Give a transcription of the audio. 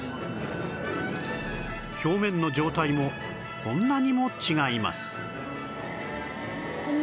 表面の状態もこんなにも違います